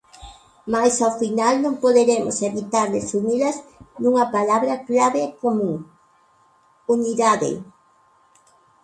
Mais ao final non poderemos evitar resumilas nunha palabra clave e común: Unidade.